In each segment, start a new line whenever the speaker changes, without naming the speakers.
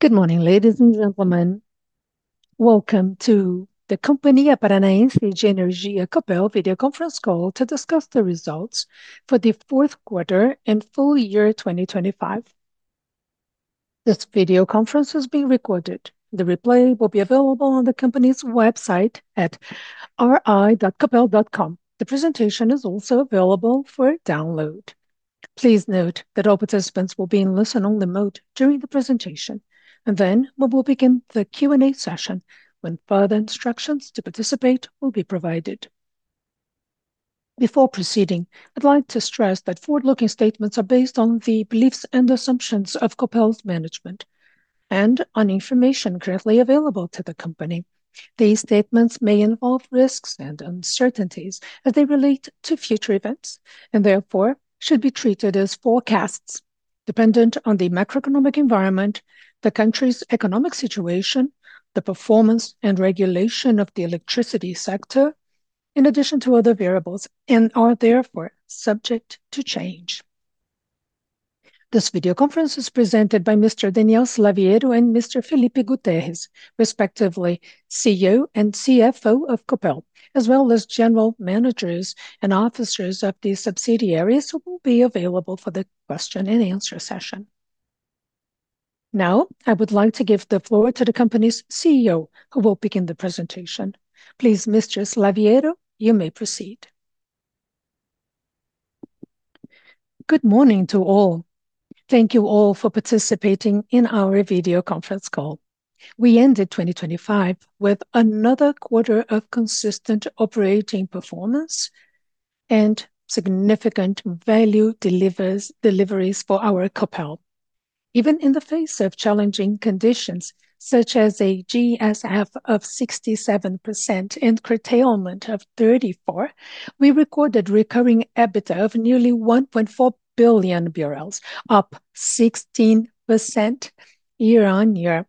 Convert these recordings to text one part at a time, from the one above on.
Good morning, ladies and gentlemen. Welcome to the Companhia Paranaense de Energia Copel video conference call to discuss the results for the fourth quarter and full year 2025. This video conference is being recorded. The replay will be available on the company's website at ri.copel.com. The presentation is also available for download. Please note that all participants will be in listen-only mode during the presentation, and then we will begin the Q&A session, when further instructions to participate will be provided. Before proceeding, I'd like to stress that forward-looking statements are based on the beliefs and assumptions of Copel's management, and on information currently available to the company. These statements may involve risks and uncertainties as they relate to future events, and therefore, should be treated as forecasts dependent on the macroeconomic environment, the country's economic situation, the performance and regulation of the electricity sector, in addition to other variables, and are therefore subject to change. This video conference is presented by Mr. Daniel Slaviero and Mr. Felipe Gutterres, respectively, CEO and CFO of Copel, as well as general managers and officers of the subsidiaries, who will be available for the question-and-answer session. Now, I would like to give the floor to the company's CEO, who will begin the presentation. Please, Mr. Slaviero, you may proceed.
Good morning to all. Thank you all for participating in our video conference call. We ended 2025 with another quarter of consistent operating performance and significant value deliveries for our Copel. Even in the face of challenging conditions, such as a GSF of 67% and curtailment of 34%, we recorded recurring EBITDA of nearly 1.4 billion BRL, up 16% year-on-year,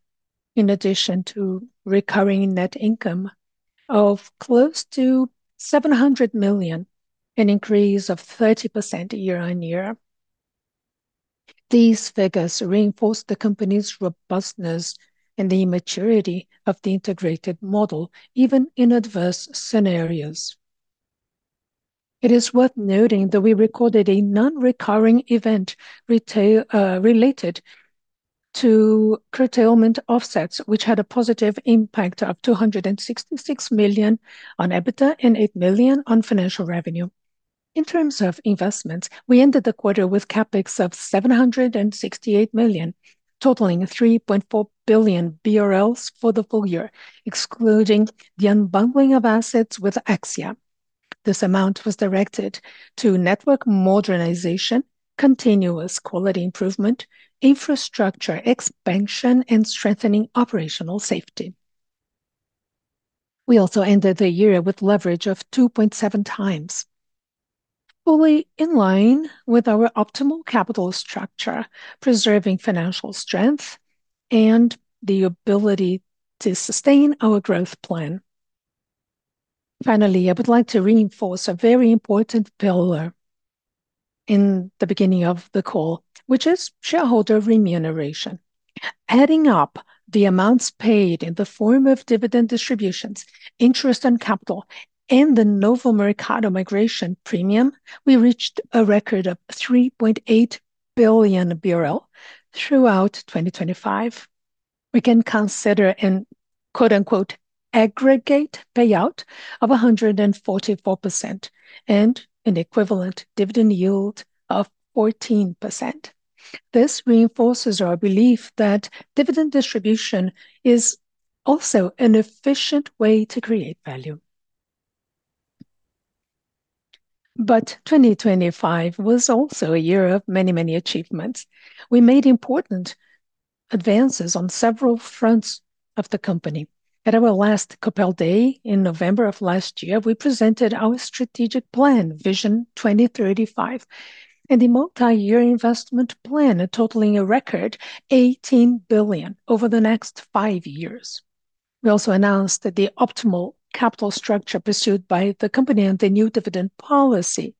in addition to recurring net income of close to 700 million, an increase of 30% year-on-year. These figures reinforce the company's robustness and the maturity of the integrated model, even in adverse scenarios. It is worth noting that we recorded a non-recurring event retail related to curtailment offsets, which had a positive impact of 266 million on EBITDA and 8 million on financial revenue. In terms of investments, we ended the quarter with CapEx of 768 million, totaling 3.4 billion BRL for the full year, excluding the unbundling of assets with AXIA. This amount was directed to network modernization, continuous quality improvement, infrastructure expansion, and strengthening operational safety. We also ended the year with leverage of 2.7x, fully in line with our optimal capital structure, preserving financial strength and the ability to sustain our growth plan. Finally, I would like to reinforce a very important pillar in the beginning of the call, which is shareholder remuneration. Adding up the amounts paid in the form of dividend distributions, interest and capital, and the Novo Mercado migration premium, we reached a record of 3.8 billion throughout 2025. We can consider an "aggregate payout" of 144% and an equivalent dividend yield of 14%. 2025 was also a year of many achievements. We made important advances on several fronts of the company. At our last Copel Day in November of last year, we presented our strategic plan, vision 2035, and a multi-year investment plan, totaling a record 18 billion over the next five years. We also announced that the optimal capital structure pursued by the company and the new dividend policy,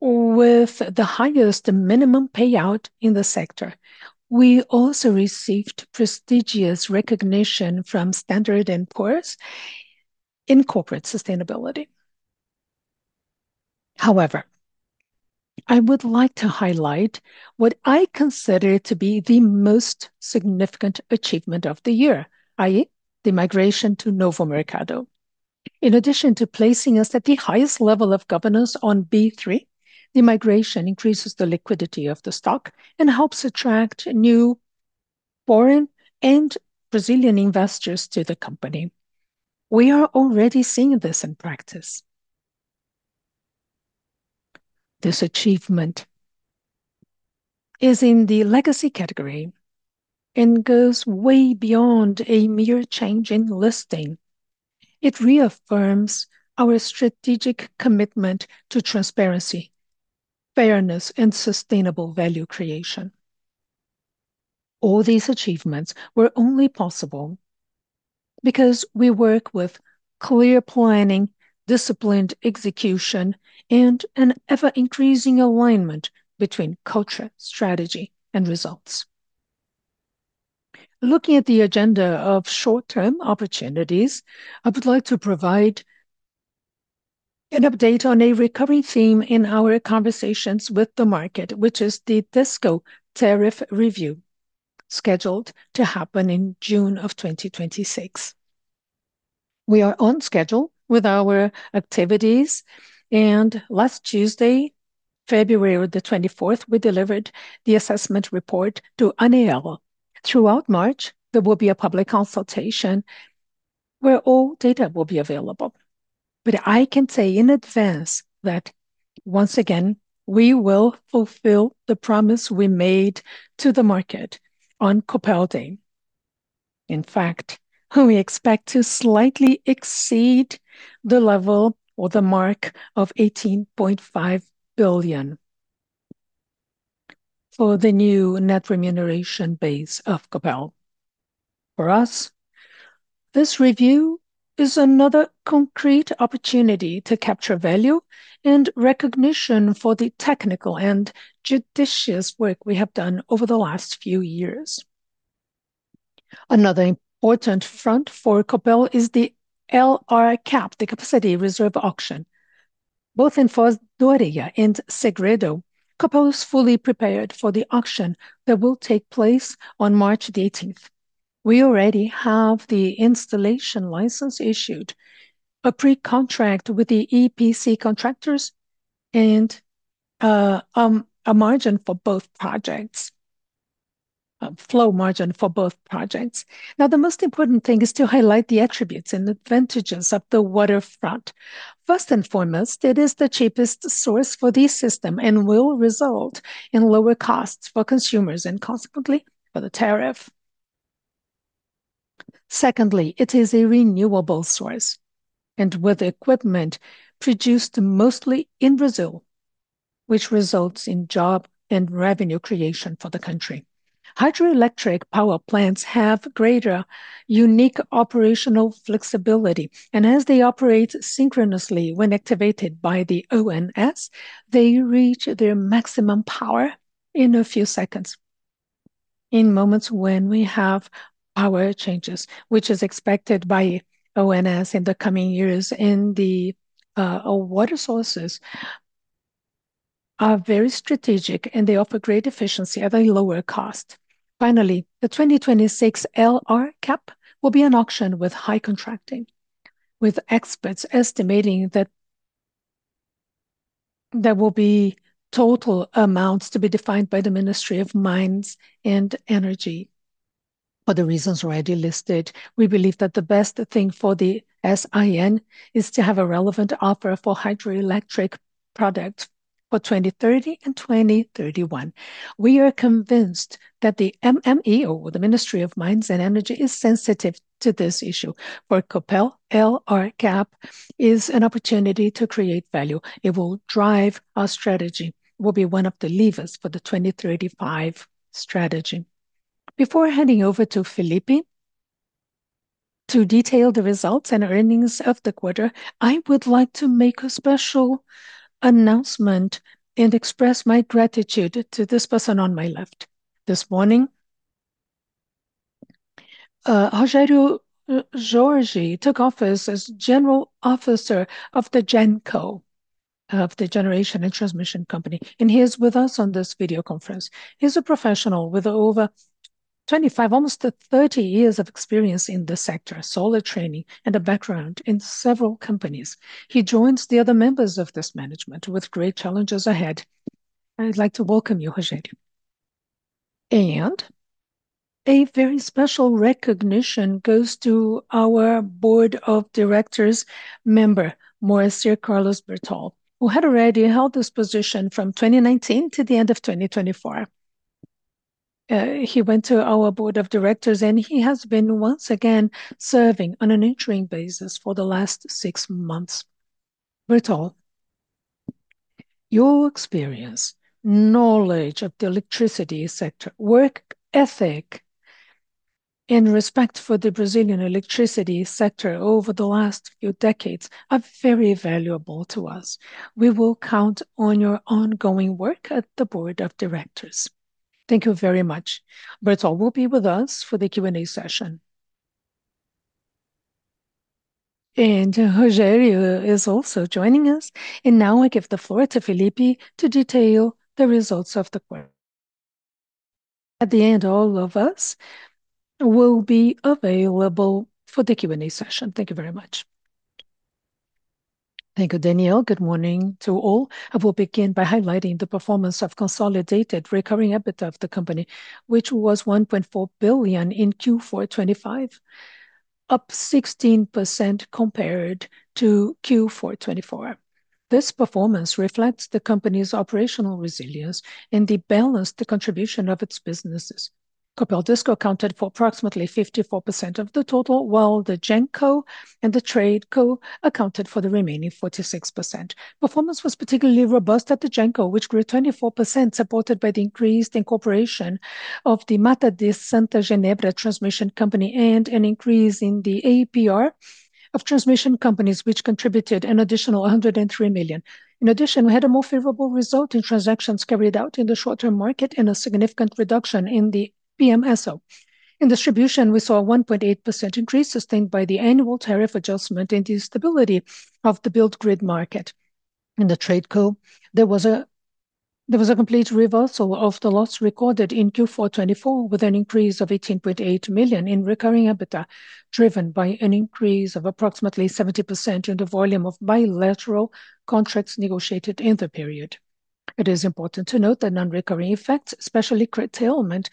with the highest minimum payout in the sector. We also received prestigious recognition from Standard & Poor's in corporate sustainability. I would like to highlight what I consider to be the most significant achievement of the year, i.e., the migration to Novo Mercado. In addition to placing us at the highest level of governance on B3, the migration increases the liquidity of the stock and helps attract new foreign and Brazilian investors to the company. We are already seeing this in practice. This achievement is in the legacy category and goes way beyond a mere change in listing. It reaffirms our strategic commitment to transparency, fairness, and sustainable value creation. All these achievements were only possible. We work with clear planning, disciplined execution, and an ever-increasing alignment between culture, strategy, and results. Looking at the agenda of short-term opportunities, I would like to provide an update on a recovery theme in our conversations with the market, which is the DisCo tariff review, scheduled to happen in June of 2026. We are on schedule with our activities, and last Tuesday, February 24th, we delivered the assessment report to ANEEL. Throughout March, there will be a public consultation where all data will be available. I can say in advance that, once again, we will fulfill the promise we made to the market on Copel Day. In fact, we expect to slightly exceed the level or the mark of 18.5 billion for the new net remuneration base of Copel. For us, this review is another concrete opportunity to capture value and recognition for the technical and judicious work we have done over the last few years. Another important front for Copel is the LRCAP, the Capacity Reserve Auction. Both in Foz do Areia and Segredo, Copel is fully prepared for the auction that will take place on March 18th. We already have the installation license issued, a pre-contract with the EPC contractors, and a margin for both projects, a flow margin for both projects. The most important thing is to highlight the attributes and advantages of the waterfront. First and foremost, it is the cheapest source for this system and will result in lower costs for consumers and, consequently, for the tariff. Secondly, it is a renewable source, with equipment produced mostly in Brazil, which results in job and revenue creation for the country. Hydroelectric power plants have greater unique operational flexibility, as they operate synchronously when activated by the ONS, they reach their maximum power in a few seconds. In moments when we have power changes, which is expected by ONS in the coming years, the water sources are very strategic, they offer great efficiency at a lower cost. Finally, the 2026 LRCAP will be an auction with high contracting, with experts estimating that there will be total amounts to be defined by the Ministry of Mines and Energy. For the reasons already listed, we believe that the best thing for the SIN is to have a relevant offer for hydroelectric product for 2030 and 2031. We are convinced that the MME, or the Ministry of Mines and Energy, is sensitive to this issue. For Copel, LRCAP is an opportunity to create value. It will drive our strategy, will be one of the levers for the Strategic Planning 2035 strategy. Before handing over to Felipe to detail the results and earnings of the quarter, I would like to make a special announcement and express my gratitude to this person on my left. This morning, Rogério Jorge took office as General Officer of the GenCo of the Generation and Transmission Company, and he is with us on this video conference. He's a professional with over 25, almost 30 years of experience in this sector, solid training, and a background in several companies. He joins the other members of this management with great challenges ahead. I'd like to welcome you, Rogério. A very special recognition goes to our Board of Directors member, Moacir Carlos Bertol, who had already held this position from 2019 to the end of 2024. He went to our board of directors, he has been once again serving on an interim basis for the last six months. Bertol, your experience, knowledge of the electricity sector, work ethic, and respect for the Brazilian electricity sector over the last few decades are very valuable to us. We will count on your ongoing work at the board of directors. Thank you very much. Bertol will be with us for the Q&A session. Rogério is also joining us, now I give the floor to Felipe to detail the results of the quarter. At the end, all of us will be available for the Q&A session. Thank you very much.
Thank you, Daniel. Good morning to all. I will begin by highlighting the performance of consolidated recurring EBITDA of the company, which was 1.4 billion in Q4 2025, up 16% compared to Q4 2024. This performance reflects the company's operational resilience and the balanced contribution of its businesses. Copel DisCo accounted for approximately 54% of the total, while the GenCo and the TradeCo accounted for the remaining 46%. Performance was particularly robust at the GenCo, which grew 24%, supported by the increased incorporation. Of the Mata de Santa Genebra transmission company, an increase in the APR of transmission companies, which contributed an additional 103 million. In addition, we had a more favorable result in transactions carried out in the short-term market, a significant reduction in the PMSO. In distribution, we saw a 1.8% increase, sustained by the annual tariff adjustment and the stability of the billed grid market. In the TradeCo, there was a complete reversal of the loss recorded in Q4 2024, with an increase of 18.8 million BRL in recurring EBITDA, driven by an increase of approximately 70% in the volume of bilateral contracts negotiated in the period. It is important to note that non-recurring effects, especially curtailment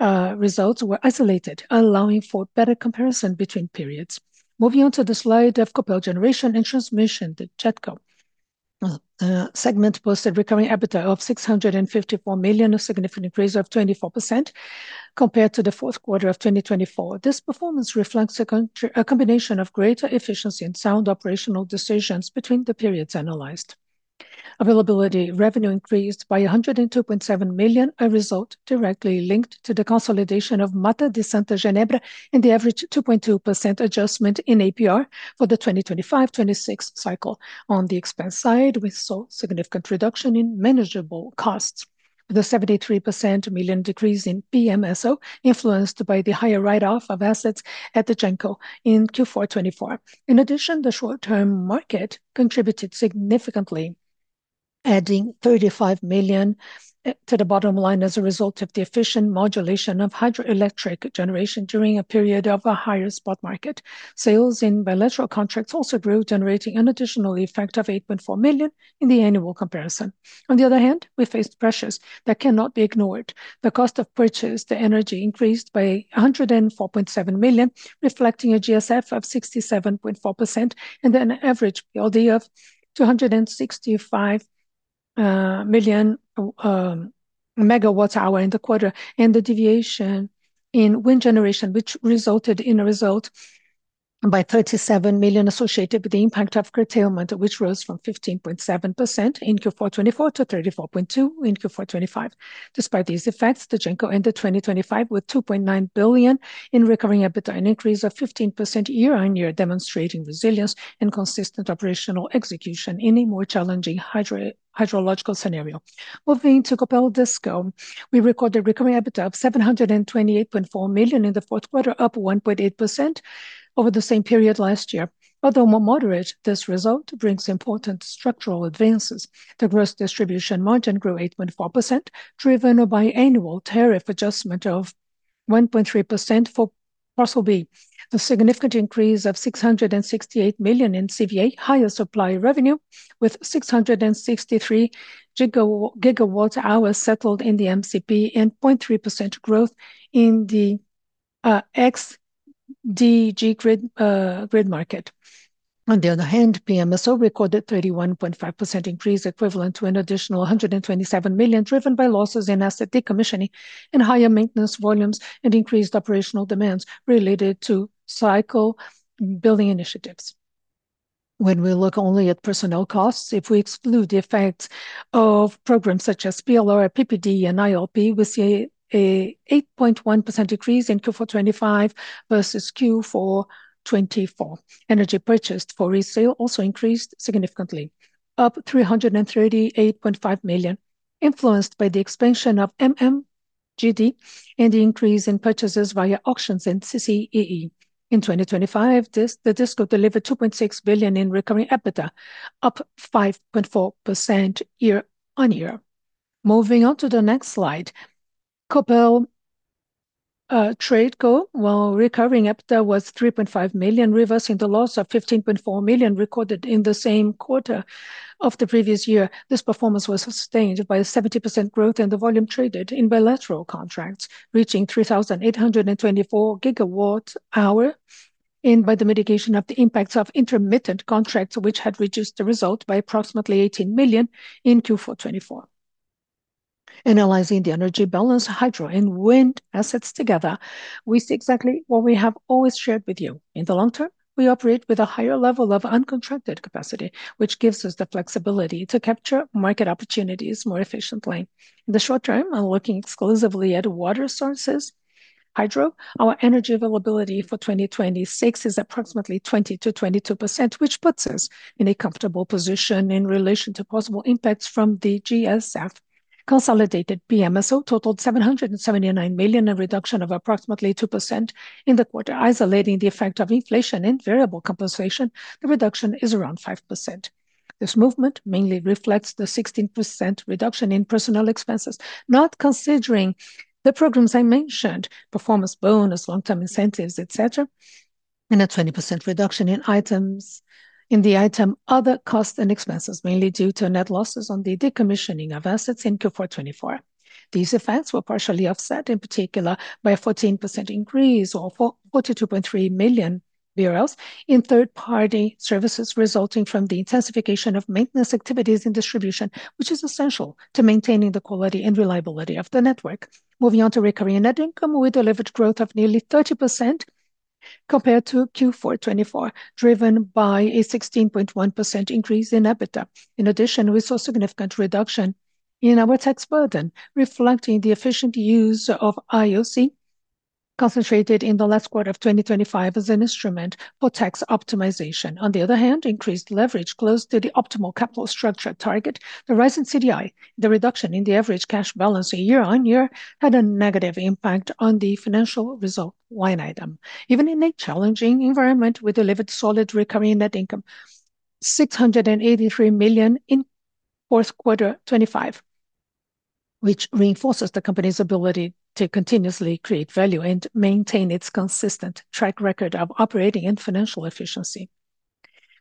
results, were isolated, allowing for better comparison between periods. Moving on to the slide of Copel Geração e Transmissão, the GenCo segment posted recurring EBITDA of 654 million, a significant increase of 24% compared to the fourth quarter of 2024. This performance reflects a combination of greater efficiency and sound operational decisions between the periods analyzed. Availability revenue increased by 102.7 million, a result directly linked to the consolidation of Mata de Santa Genebra, and the average 2.2% adjustment in APR for the 2025/2026 cycle. On the expense side, we saw significant reduction in manageable costs, with a 73% million decrease in PMSO, influenced by the higher write-off of assets at the GenCo in Q4 2024. In addition, the short-term market contributed significantly, adding 35 million to the bottom line as a result of the efficient modulation of hydroelectric generation during a period of a higher spot market. Sales in bilateral contracts also grew, generating an additional effect of 8.4 million in the annual comparison. On the other hand, we faced pressures that cannot be ignored. The cost of purchase, the energy increased by 104.7 million, reflecting a GSF of 67.4% and an average PLD of 265 million MW hour in the quarter, and the deviation in wind generation, which resulted in a result by 37 million associated with the impact of curtailment, which rose from 15.7% in Q4 2024 to 34.2% in Q4 2025. Despite these effects, the GenCo ended 2025 with 2.9 billion in recurring EBITDA, an increase of 15% year-on-year, demonstrating resilience and consistent operational execution in a more challenging hydrological scenario. Moving to Copel DisCo, we recorded recurring EBITDA of 728.4 million in the 4th quarter, up 1.8% over the same period last year. Although more moderate, this result brings important structural advances. The gross distribution margin grew 8.4%, driven by annual tariff adjustment of 1.3% for parcel B. The significant increase of 668 million in CVA, higher supply revenue, with 663 GW-hours settled in the MCP, and 0.3% growth in the XDG grid market. PMSO recorded 31.5% increase, equivalent to an additional 127 million, driven by losses in asset decommissioning and higher maintenance volumes, and increased operational demands related to cycle building initiatives. When we look only at personnel costs, if we exclude the effect of programs such as PLR, PPD, and ILP, we see an 8.1% decrease in Q4 2025 versus Q4 2024. Energy purchased for resale also increased significantly, up 338.5 million, influenced by the expansion of MMGD and the increase in purchases via auctions in CCEE. In 2025, the DisCo delivered 2.6 billion in recurring EBITDA, up 5.4% year-on-year. Moving on to the next slide, Copel TradeCo, while recurring EBITDA was 3.5 million, reversing the loss of 15.4 million recorded in the same quarter of the previous year. This performance was sustained by a 70% growth in the volume traded in bilateral contracts, reaching 3,824 GW hour, and by the mitigation of the impacts of intermittent contracts, which had reduced the result by approximately 18 million in Q4 2024. Analyzing the energy balance, hydro and wind assets together, we see exactly what we have always shared with you. In the long term, we operate with a higher level of uncontracted capacity, which gives us the flexibility to capture market opportunities more efficiently. In the short term, while looking exclusively at water sources, hydro, our energy availability for 2026 is approximately 20%-22%, which puts us in a comfortable position in relation to possible impacts from the GSF. Consolidated PMSO totaled 779 million, a reduction of approximately 2% in the quarter. Isolating the effect of inflation and variable compensation, the reduction is around 5%. This movement mainly reflects the 16% reduction in personnel expenses, not considering the programs I mentioned: performance bonus, long-term incentives, et cetera, and a 20% reduction in the item other costs and expenses, mainly due to net losses on the decommissioning of assets in Q4 2024. These effects were partially offset, in particular, by a 14% increase, or 42.3 million euros in third-party services, resulting from the intensification of maintenance activities in distribution, which is essential to maintaining the quality and reliability of the network. Moving on to recurring net income, we delivered growth of nearly 30% compared to Q4 2024, driven by a 16.1% increase in EBITDA. In addition, we saw significant reduction in our tax burden, reflecting the efficient use of IOC, concentrated in the last quarter of 2025 as an instrument for tax optimization. On the other hand, increased leverage close to the optimal capital structure target, the rise in CDI, the reduction in the average cash balance year-on-year, had a negative impact on the financial result line item. Even in a challenging environment, we delivered solid recurring net income, 683 million in Q4 2025, which reinforces the company's ability to continuously create value and maintain its consistent track record of operating and financial efficiency.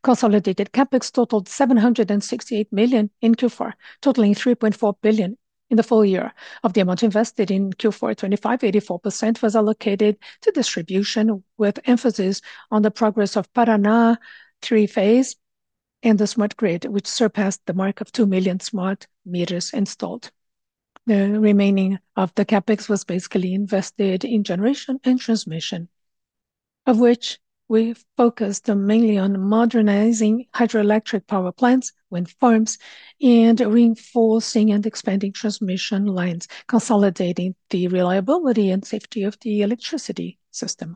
Consolidated CapEx totaled 768 million in Q4, totaling 3.4 billion in the full year. Of the amount invested in Q4 2025, 84% was allocated to distribution, with emphasis on the progress of Paraná Trifásico and the smart grid, which surpassed the mark of 2 million smart meters installed. The remaining of the CapEx was basically invested in generation and transmission, of which we've focused mainly on modernizing hydroelectric power plants, wind farms, and reinforcing and expanding transmission lines, consolidating the reliability and safety of the electricity system.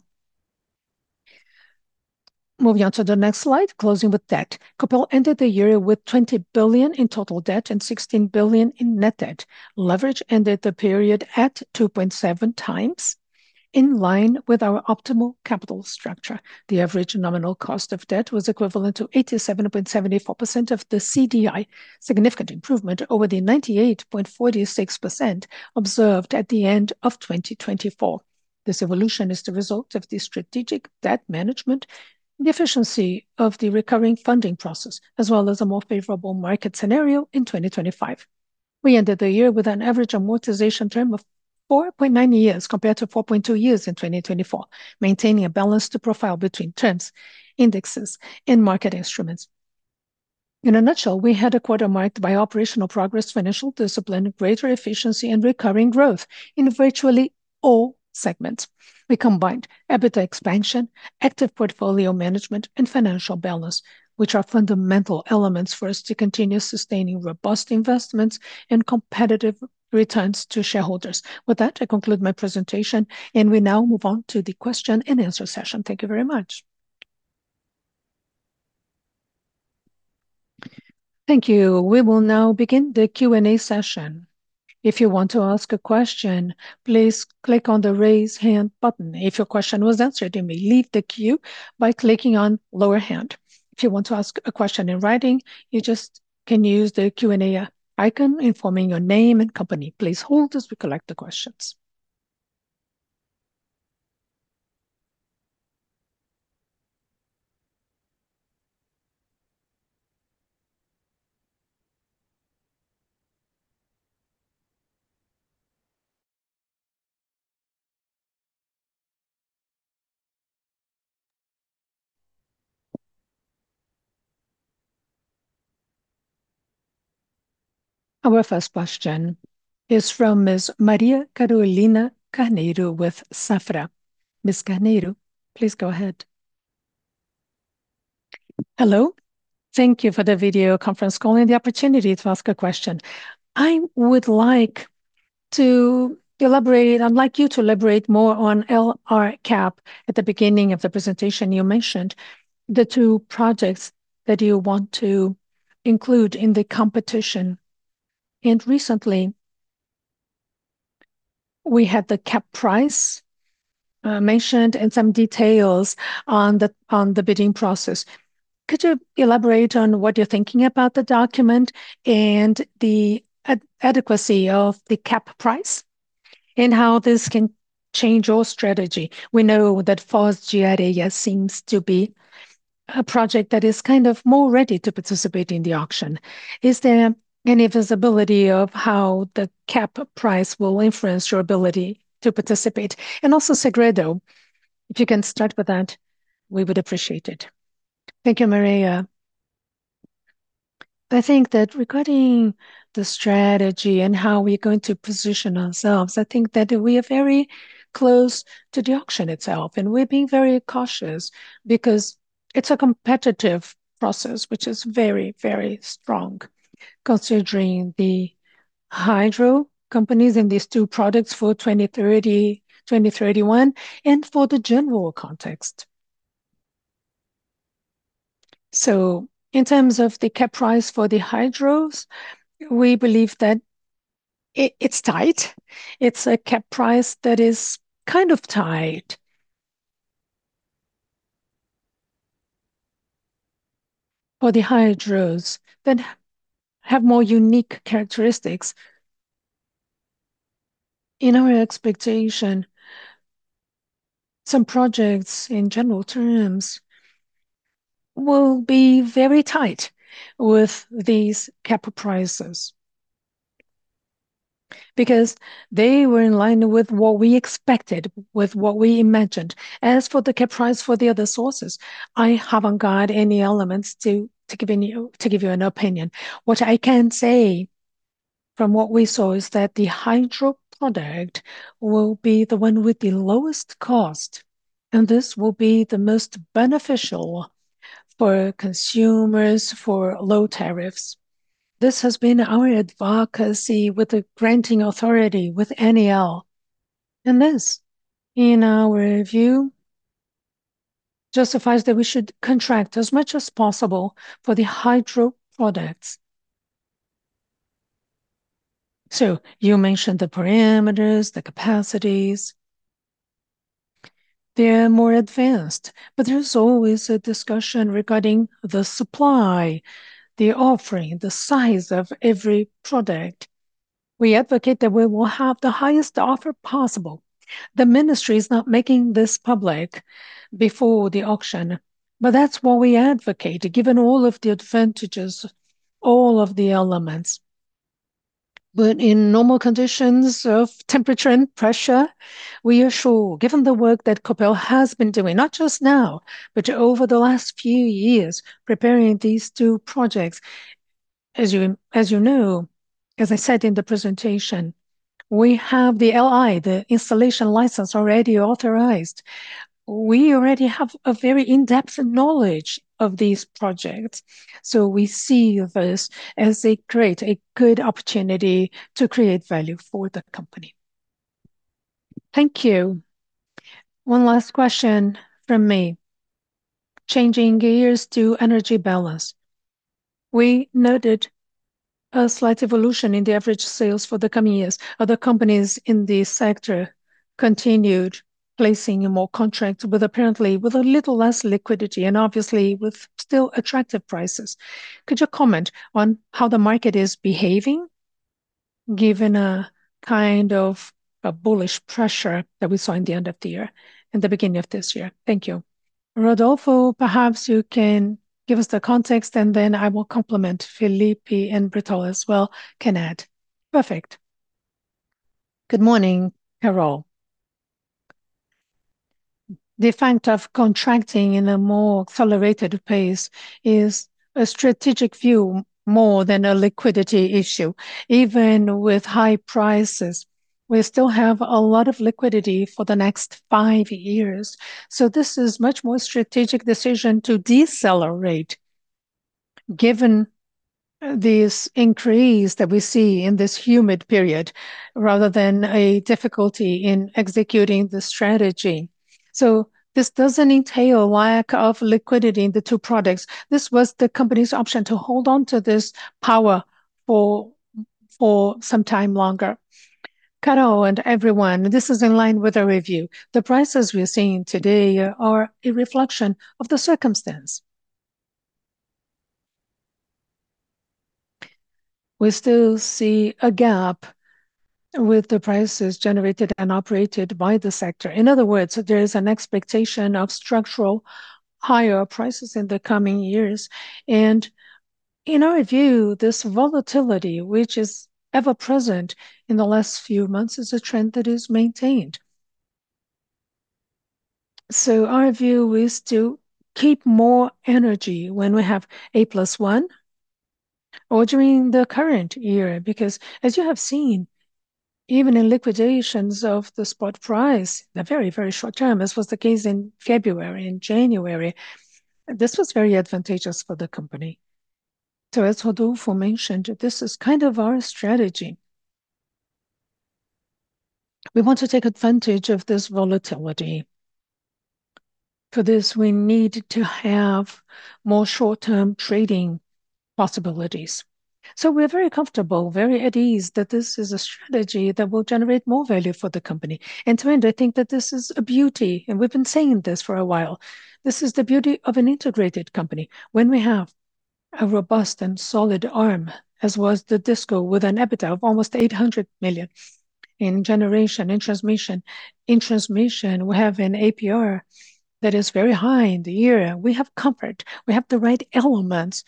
Moving on to the next slide, closing with debt. Copel ended the year with 20 billion in total debt and 16 billion in net debt. Leverage ended the period at 2.7x, in line with our optimal capital structure. The average nominal cost of debt was equivalent to 87.74% of the CDI, significant improvement over the 98.46% observed at the end of 2024. This evolution is the result of the strategic debt management, the efficiency of the recurring funding process, as well as a more favorable market scenario in 2025. We ended the year with an average amortization term of 4.9 years, compared to 4.2 years in 2024, maintaining a balance to profile between terms, indexes, and market instruments. In a nutshell, we had 1/4 marked by operational progress, financial discipline, greater efficiency, and recurring growth in virtually all segments. We combined EBITDA expansion, active portfolio management, and financial balance, which are fundamental elements for us to continue sustaining robust investments and competitive returns to shareholders. With that, I conclude my presentation. We now move on to the question-and-answer session. Thank you very much.
Thank you. We will now begin the Q&A session. If you want to ask a question, please click on the raise hand button. If your question was answered, you may leave the queue by clicking on lower hand. If you want to ask a question in writing, you just can use the Q&A icon, informing your name and company. Please hold as we collect the questions. Our first question is from Ms. Maria Carolina Carneiro with Safra. Ms. Carneiro, please go ahead.
Hello. Thank you for the video conference call and the opportunity to ask a question. I would like to elaborate... I'd like you to elaborate more on LRCAP. At the beginning of the presentation, you mentioned the two projects that you want to include in the competition, and recently, we had the cap price mentioned and some details on the bidding process. Could you elaborate on what you're thinking about the document and the adequacy of the cap price, and how this can change your strategy? We know that Foz do Areia seems to be a project that is kind of more ready to participate in the auction. Is there any visibility of how the cap price will influence your ability to participate? Also Segredo, if you can start with that, we would appreciate it.
Thank you, Maria. I think that regarding the strategy and how we're going to position ourselves, I think that we are very close to the auction itself, and we're being very cautious because it's a competitive process, which is very, very strong, considering the hydro companies in these two products for 2030, 2031, and for the general context. In terms of the cap price for the hydros, we believe that it's tight. It's a cap price that is kind of tight for the hydros that have more unique characteristics. In our expectation, some projects, in general terms, will be very tight with these cap prices because they were in line with what we expected, with what we imagined. As for the cap price for the other sources, I haven't got any elements to give you an opinion. What I can say. From what we saw is that the hydro product will be the one with the lowest cost, and this will be the most beneficial for consumers for low tariffs. This has been our advocacy with the granting authority, with ANEEL. This, in our view, justifies that we should contract as much as possible for the hydro products. You mentioned the parameters, the capacities. They're more advanced, but there's always a discussion regarding the supply, the offering, the size of every product. We advocate that we will have the highest offer possible. The Ministry is not making this public before the auction, but that's what we advocate, given all of the advantages, all of the elements. In normal conditions of temperature and pressure, we are sure, given the work that Copel has been doing, not just now, but over the last few years, preparing these two projects. As you know, as I said in the presentation, we have the LI, the installation license, already authorized. We already have a very in-depth knowledge of these projects, so we see this as a great, a good opportunity to create value for the company.
Thank you. One last question from me. Changing gears to energy balance. We noted a slight evolution in the average sales for the coming years. Other companies in this sector continued placing more contracts, but apparently with a little less liquidity. Obviously, with still attractive prices. Could you comment on how the market is behaving, given a kind of a bullish pressure that we saw in the end of the year and the beginning of this year? Thank you.
Rodolfo, perhaps you can give us the context. Then I will complement. Felipe and Bertol as well can add.
Perfect. Good morning, Carol. The fact of contracting in a more accelerated pace is a strategic view more than a liquidity issue. Even with high prices, we still have a lot of liquidity for the next five years, so this is much more strategic decision to decelerate, given this increase that we see in this humid period, rather than a difficulty in executing the strategy. This doesn't entail lack of liquidity in the two products. This was the company's option to hold on to this power for some time longer.
Carol, and everyone, this is in line with our review. The prices we are seeing today are a reflection of the circumstance. We still see a gap with the prices generated and operated by the sector. In other words, there is an expectation of structural higher prices in the coming years, and in our view, this volatility, which is ever present in the last few months, is a trend that is maintained. Our view is to keep more energy when we have A plus one or during the current year, because as you have seen, even in liquidations of the spot price, the very, very short term, this was the case in February and January, this was very advantageous for the company. As Rodolfo mentioned, this is kind of our strategy. We want to take advantage of this volatility. For this, we need to have more short-term trading possibilities. We're very comfortable, very at ease, that this is a strategy that will generate more value for the company. To end, I think that this is a beauty, and we've been saying this for a while, this is the beauty of an integrated company. When we have a robust and solid arm, as was the DisCo, with an EBITDA of almost 800 million in generation, in transmission. In transmission, we have an APR that is very high in the area. We have comfort. We have the right elements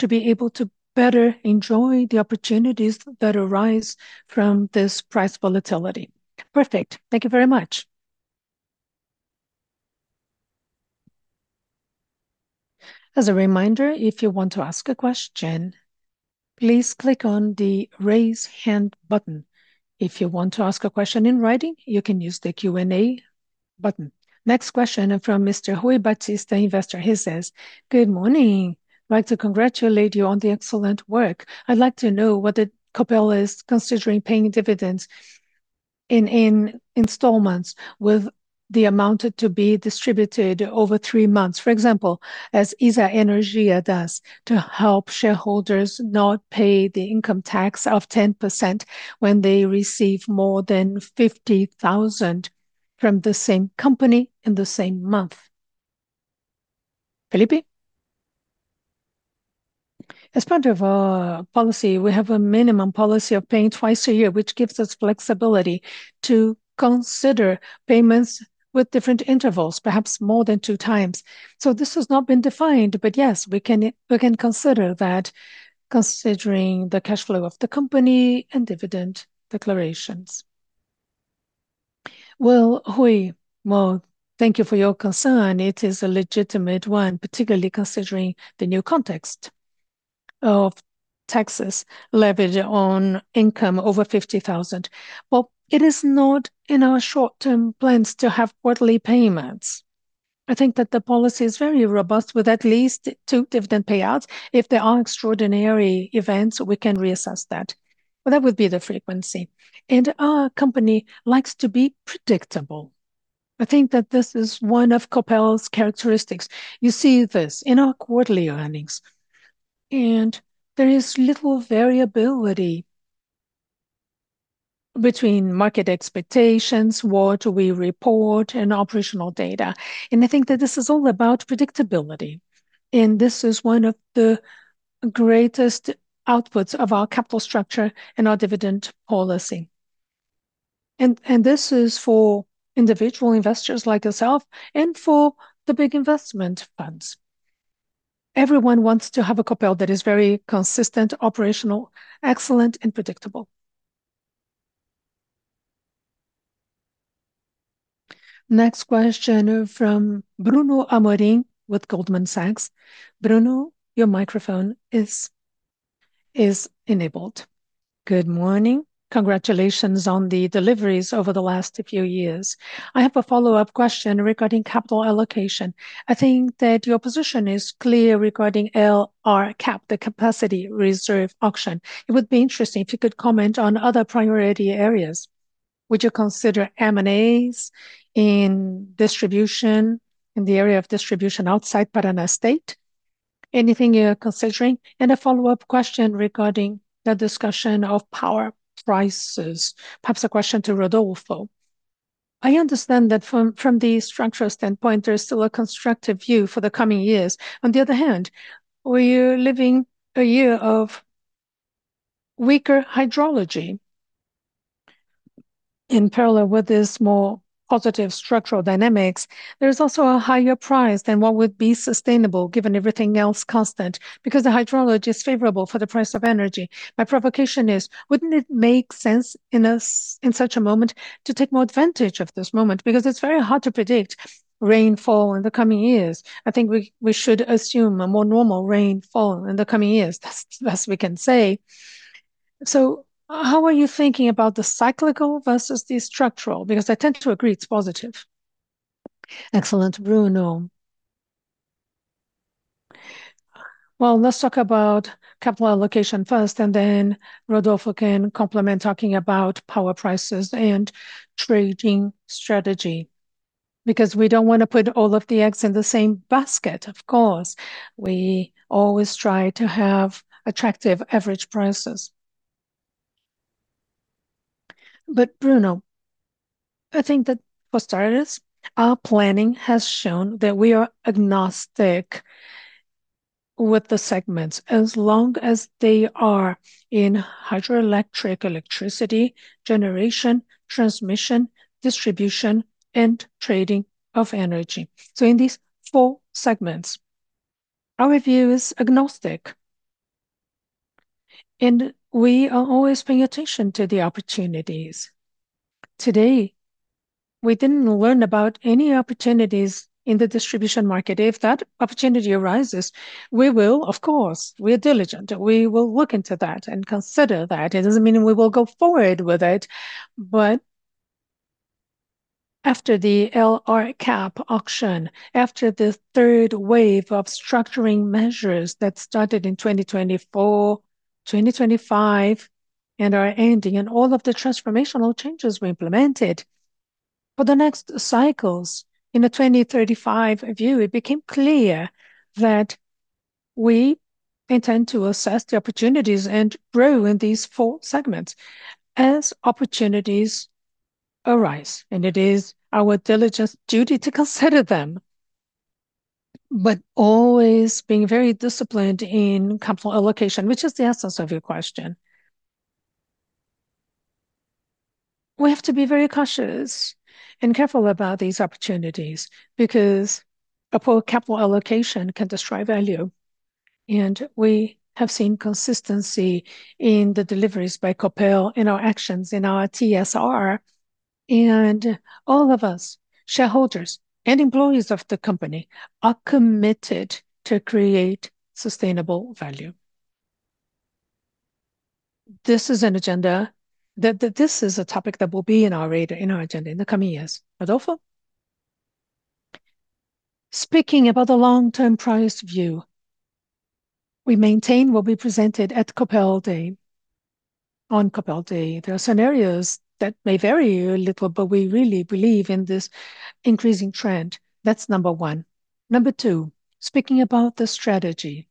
to be able to better enjoy the opportunities that arise from this price volatility.
Perfect. Thank you very much.
As a reminder, if you want to ask a question, please click on the Raise Hand button. If you want to ask a question in writing, you can use the Q&A button. Next question from Mr. Ruy Batista, investor. He says, "Good morning. I'd like to congratulate you on the excellent work. I'd like to know whether Copel is considering paying dividends in installments with the amount to be distributed over threemonths? For example, as SA Energia does, to help shareholders not pay the income tax of 10% when they receive more than 50,000 from the same company in the same month.
Felipe?
As part of our policy, we have a minimum policy of paying 2x a year, which gives us flexibility to consider payments with different intervals, perhaps more than 2x. This has not been defined, but yes, we can consider that, considering the cash flow of the company and dividend declarations. Well, Ruy, thank you for your concern. It is a legitimate one, particularly considering the new context of taxes leveraged on income over 50,000. It is not in our short-term plans to have quarterly payments. I think that the policy is very robust, with at least two dividend payouts. If there are extraordinary events, we can reassess that, but that would be the frequency. Our company likes to be predictable. I think that this is one of Copel's characteristics. You see this in our quarterly earnings, there is little variability between market expectations, what we report, and operational data, and I think that this is all about predictability, and this is one of the greatest outputs of our capital structure and our dividend policy. This is for individual investors like yourself and for the big investment funds. Everyone wants to have a Copel that is very consistent, operational, excellent, and predictable.
Next question from Bruno Amorim with Goldman Sachs. Bruno, your microphone is enabled.
Good morning. Congratulations on the deliveries over the last few years. I have a follow-up question regarding capital allocation. I think that your position is clear regarding LRCAP, the Capacity Reserve Auction. It would be interesting if you could comment on other priority areas. Would you consider M&As in distribution, in the area of distribution outside Paraná State? Anything you are considering? A follow-up question regarding the discussion of power prices. Perhaps a question to Rodolfo. I understand that from the structural standpoint, there is still a constructive view for the coming years. On the other hand, we are living a year of weaker hydrology. In parallel with this more positive structural dynamics, there is also a higher price than what would be sustainable, given everything else constant, because the hydrology is favorable for the price of energy. My provocation is: wouldn't it make sense in such a moment to take more advantage of this moment? Because it's very hard to predict rainfall in the coming years. I think we should assume a more normal rainfall in the coming years. That's we can say. How are you thinking about the cyclical versus the structural? Because I tend to agree it's positive.
Excellent, Bruno. Well, let's talk about capital allocation first, and then Rodolfo can complement, talking about power prices and trading strategy, because we don't want to put all of the eggs in the same basket, of course. We always try to have attractive average prices. Bruno, I think that for starters, our planning has shown that we are agnostic with the segments, as long as they are in hydroelectric electricity, generation, transmission, distribution, and trading of energy. In these four segments, our view is agnostic, and we are always paying attention to the opportunities. Today, we didn't learn about any opportunities in the distribution market. If that opportunity arises, we will, of course. We are diligent, we will look into that and consider that. It doesn't mean we will go forward with it. After the LRCAP auction, after the third wave of structuring measures that started in 2024, 2025, and are ending, and all of the transformational changes we implemented, for the next cycles in the 2035 view, it became clear that we intend to assess the opportunities and grow in these four segments as opportunities arise, and it is our diligent duty to consider them, but always being very disciplined in capital allocation, which is the essence of your question. We have to be very cautious and careful about these opportunities because a poor capital allocation can destroy value, and we have seen consistency in the deliveries by Copel, in our actions, in our TSR, and all of us, shareholders and employees of the company, are committed to create sustainable value. This is a topic that will be in our radar, in our agenda in the coming years. Rodolfo?
Speaking about the long-term price view, we maintain what we presented at Copel Day. On Copel Day, there are scenarios that may vary a little, but we really believe in this increasing trend. That's number one. Number two, speaking about the strategy,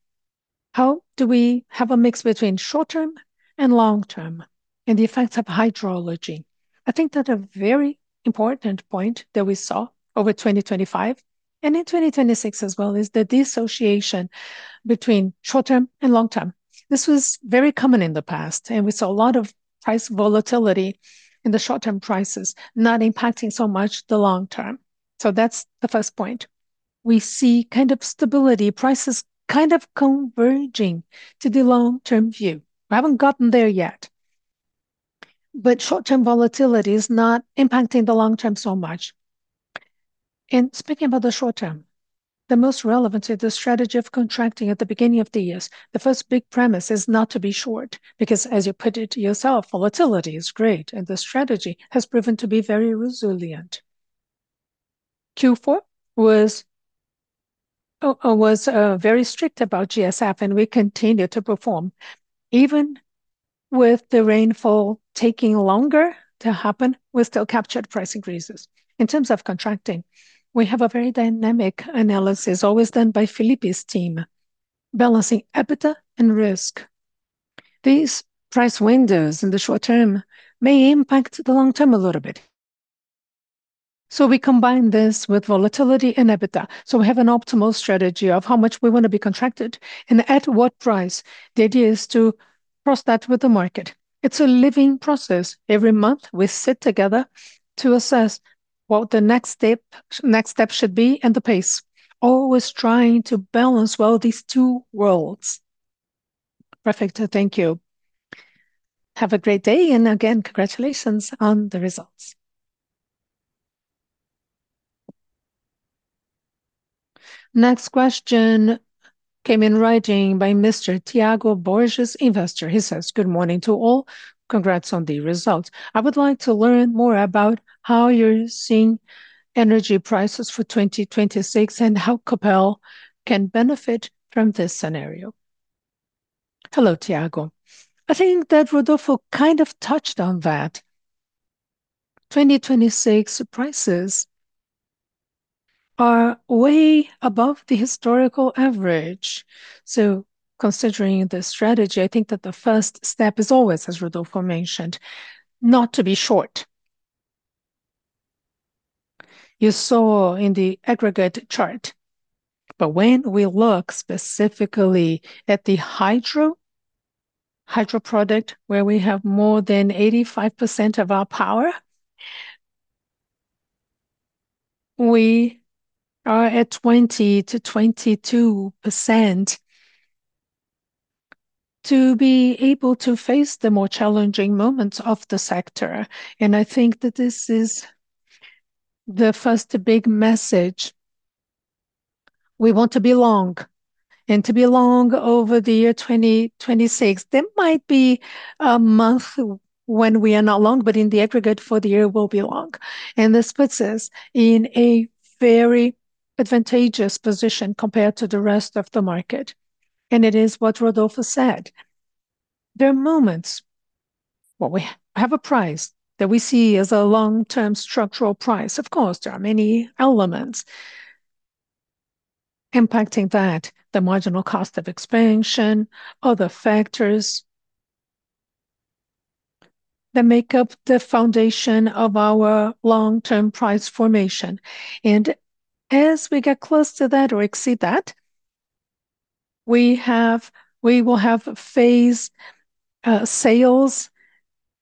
how do we have a mix between short term and long term and the effects of hydrology? I think that a very important point that we saw over 2025, and in 2026 as well, is the dissociation between short term and long term. This was very common in the past, and we saw a lot of price volatility in the short-term prices, not impacting so much the long term. That's the first point. We see kind of stability, prices kind of converging to the long-term view. We haven't gotten there yet, but short-term volatility is not impacting the long term so much. Speaking about the short term, the most relevant is the strategy of contracting at the beginning of the years. The first big premise is not to be short, because as you put it yourself, volatility is great, and the strategy has proven to be very resilient. Q4 was very strict about GSF, and we continued to perform. Even with the rainfall taking longer to happen, we still captured price increases. In terms of contracting, we have a very dynamic analysis, always done by Felipe's team, balancing EBITDA and risk. These price windows in the short term may impact the long term a little bit. We combine this with volatility and EBITDA, so we have an optimal strategy of how much we want to be contracted and at what price. The idea is to cross that with the market. It's a living process. Every month, we sit together to assess what the next step should be and the pace, always trying to balance well these two worlds.
Perfect, thank you. Have a great day, and again, congratulations on the results.
Next question came in writing by Mr. Tiago Borges, investor. He says, "Good morning to all. Congrats on the results. I would like to learn more about how you're seeing energy prices for 2026 and how Copel can benefit from this scenario."
Hello, Tiago. I think that Rodolfo kind of touched on that. 2026 prices are way above the historical average, so considering the strategy, I think that the first step is always, as Rodolfo mentioned, not to be short. You saw in the aggregate chart, but when we look specifically at the hydro product, where we have more than 85% of our power, we are at 20%-22% to be able to face the more challenging moments of the sector. I think that this is the first big message: We want to be long, and to be long over the year 2026. There might be a month when we are not long, but in the aggregate for the year, we'll be long. This puts us in a very advantageous position compared to the rest of the market. It is what Rodolfo said, there are moments where we have a price that we see as a long-term structural price. Of course, there are many elements impacting that, the marginal cost of expansion, other factors that make up the foundation of our long-term price formation. As we get close to that or exceed that, we will have phased sales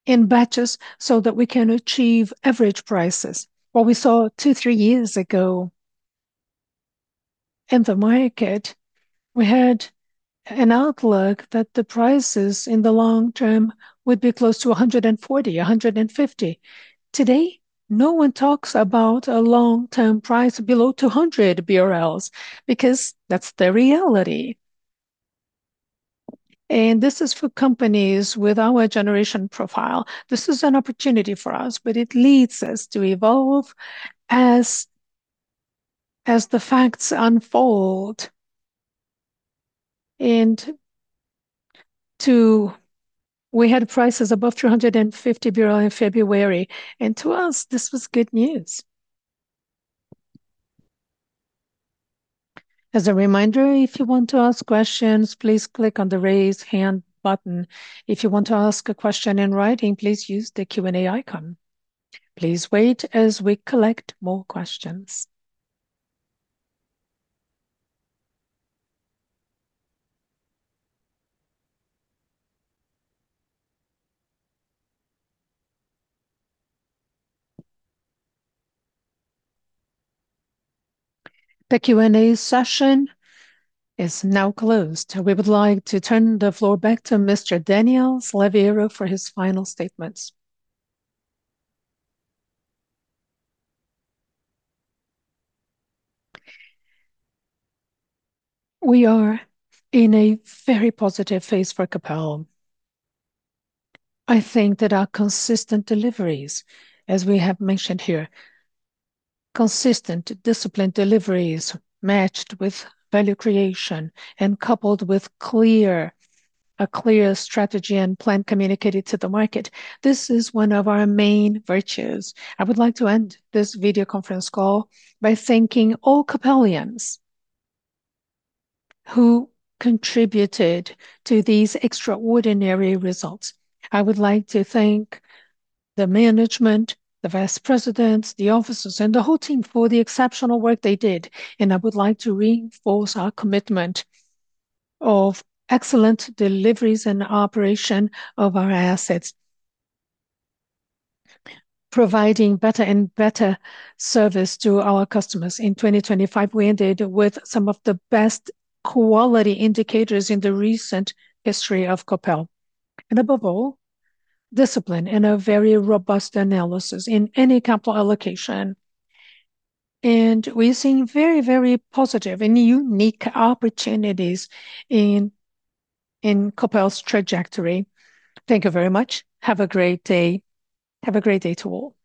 in batches so that we can achieve average prices. What we saw two, three years ago in the market, we had an outlook that the prices in the long term would be close to 140, 150. Today, no one talks about a long-term price below 200 BRL, because that's the reality. This is for companies with our generation profile. This is an opportunity for us, but it leads us to evolve as the facts unfold. We had prices above 350 in February, and to us, this was good news.
As a reminder, if you want to ask questions, please click on the raise hand button. If you want to ask a question in writing, please use the Q&A icon. Please wait as we collect more questions. The Q&A session is now closed. We would like to turn the floor back to Mr. Daniel Slaviero for his final statements.
We are in a very positive phase for Copel. I think that our consistent deliveries, as we have mentioned here, consistent, disciplined deliveries, matched with value creation and coupled with a clear strategy and plan communicated to the market, this is one of our main virtues. I would like to end this video conference call by thanking all Copelians who contributed to these extraordinary results. I would like to thank the management, the vice presidents, the officers, and the whole team for the exceptional work they did. I would like to reinforce our commitment of excellent deliveries and operation of our assets, providing better and better service to our customers. In 2025, we ended with some of the best quality indicators in the recent history of Copel. Above all, discipline and a very robust analysis in any capital allocation. We're seeing very positive and unique opportunities in Copel's trajectory. Thank you very much. Have a great day. Have a great day to all.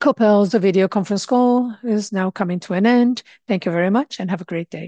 Copel's video conference call is now coming to an end. Thank you very much, and have a great day.